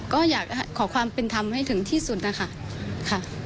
ก็อยากขอความเป็นธรรมให้ถึงที่สุดนะคะค่ะ